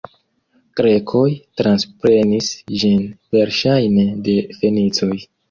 Grekoj transprenis ĝin verŝajne de fenicoj.